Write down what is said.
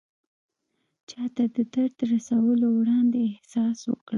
چاته د درد رسولو وړاندې احساس وکړه.